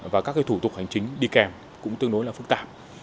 và các thủ tục hành chính đi kèm cũng tương đối là phức tạp